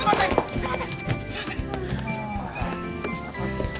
すいません。